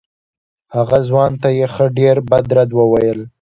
هغه ځوان ته یې ښه ډېر بد رد وویل.